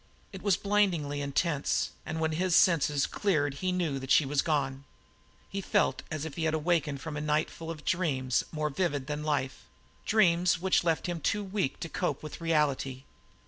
It was blindingly intense, and when his senses cleared he knew that she was gone. He felt as if he had awakened from a night full of dreams more vivid than life dreams which left him too weak to cope with reality.